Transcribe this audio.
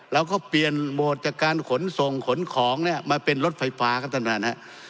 เราก็เปลี่ยนโหมดจากการขนส่งขนของเนี่ยมาเป็นรถไฟฟ้าก็ต้องการนะครับ